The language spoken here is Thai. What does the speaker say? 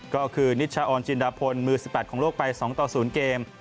ก็คือนิชชาออนจินดาพลมือ๑๘ของโลกไป๒ต่อ๐เกม